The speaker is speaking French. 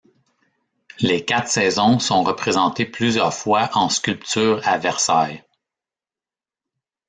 Les Quatre Saisons sont représentées plusieurs fois en sculpture à Versailles.